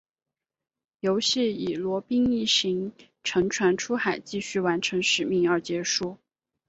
游戏以罗宾一行乘船出海继续完成使命而结束。